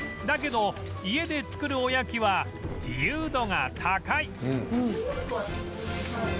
だけど家で作るおやきは自由度が高い